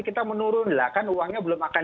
kita menurun lah kan uangnya belum akan